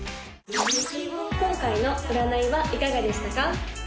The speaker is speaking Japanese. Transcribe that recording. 今回の占いはいかがでしたか？